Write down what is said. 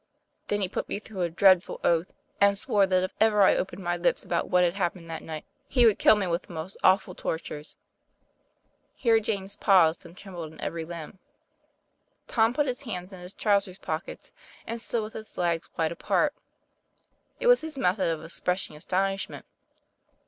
' Then he put me through a dreadful oath, and swore that if ever I opened my lips about what had happened that night he would kill me with most awful tortures." Here James paused, and trembled in every limb. Tom put his hands in his trousers' pockets, and stood with his legs wide apart. It was his method of expressing astonishment.